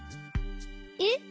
えっ！